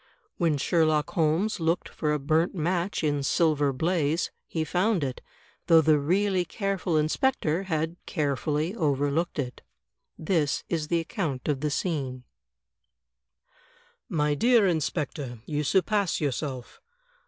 When Sherlock Holmes looked for a burnt match in " Silver Blaize," he found it, though the really careful inspector had carefully overlooked it. This is the account of the scene: My dear Inspector, you surpass yourself!"